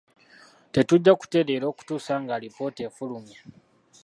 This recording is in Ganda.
Tetujja kuteerera okutuusa ng'alipoota efulumye.